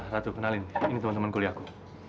ratu kenalin ini temen temen kuliahku